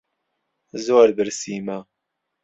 زۆر برسیمە.